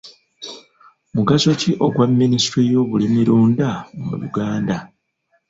Mugaso ki ogwa Minisitule y'obulimirunda mu Uganda?